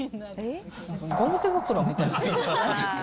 ゴム手袋みたい。